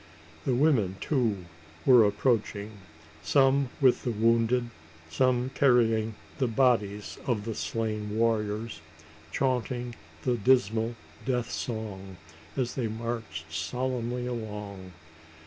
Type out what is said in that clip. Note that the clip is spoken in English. The women, too, were approaching some with the wounded some carrying the bodies of the slain warriors chaunting the dismal death song as they marched solemnly along.